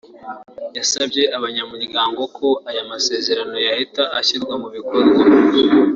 yasabye abanyamuryango ko aya masezerano yahita ashyirwa mu bikorwa